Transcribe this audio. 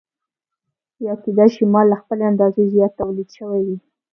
یا کېدای شي مال له خپلې اندازې زیات تولید شوی وي